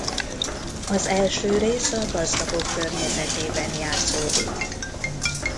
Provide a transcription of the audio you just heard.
Az első rész a gazdagok környezetében játszódik.